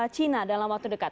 china dalam waktu dekat